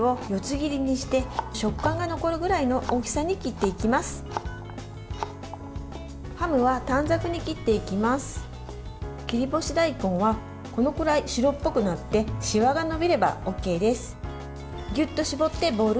切り干し大根はこのくらい白っぽくなってしわが伸びればＯＫです。